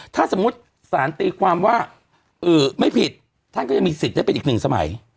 ถ้าสมมุติสารตีความว่าไม่ผิดท่านก็ยังมีสิทธิ์ได้เป็นอีกหนึ่งสมัย